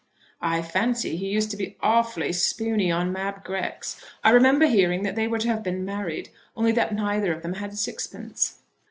"I fancy he used to be awfully spooney on Mab Grex. I remember hearing that they were to have been married, only that neither of them had sixpence."